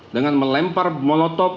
dengan melempar molotok